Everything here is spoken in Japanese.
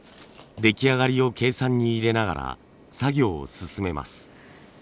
出来上がりを計算に入れながら作業を進めます。